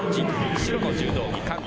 白の柔道着、韓国。